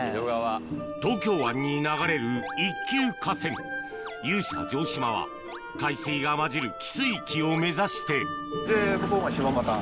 東京湾に流れる一級河川勇者城島は海水が混じる汽水域を目指してで向こうが柴又。